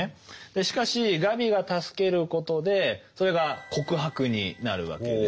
しかしガビが助けることでそれが告白になるわけです。